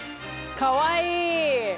かわいい！